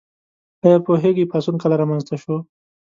ایا پوهیږئ پاڅون کله رامنځته شو؟